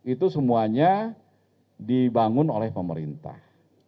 itu semuanya dibangun oleh pemerintah